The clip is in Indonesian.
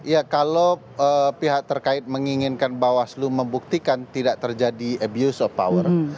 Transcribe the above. ya kalau pihak terkait menginginkan bawaslu membuktikan tidak terjadi abuse of power